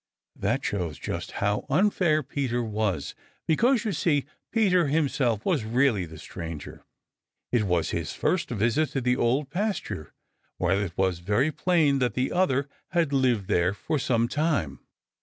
That shows just how unfair Peter was, because, you see, Peter himself was really the stranger. It was his first visit to the Old Pasture, while it was very plain that the other had lived there for some time.